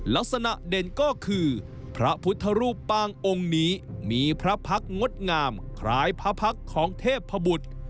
ลักษณะเด่นก็คือพระพุทธรูปปางองค์นี้มีพระพักษ์งดงามคล้ายพระพักษ์ของเทพบุตร